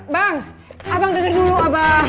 bang abang dengar dulu abang